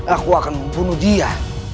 aku akan membunuh dia